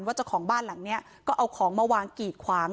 เจ้าของบ้านหลังนี้ก็เอาของมาวางกีดขวาง